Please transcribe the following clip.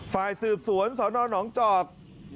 ฝ่ายสืบสวนสนหนองจอก